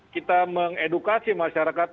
kita mengedukasi masyarakat